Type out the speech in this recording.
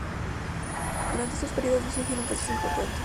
Durante estos períodos no surgieron casos importantes.